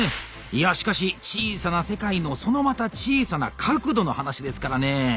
いやしかし小さな世界のそのまた小さな角度の話ですからねえ。